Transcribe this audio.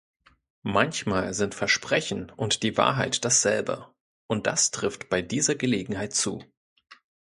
Manchmal sind Versprechen und die Wahrheit dasselbe, und das trifft bei dieser Gelegenheit zu.